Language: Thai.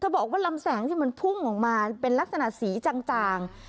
บอกว่าลำแสงที่มันพุ่งออกมาเป็นลักษณะสีจาง